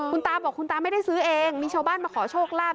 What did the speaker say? คุณตาบอกคุณตาไม่ได้ซื้อเองมีชาวบ้านมาขอโชคลาภ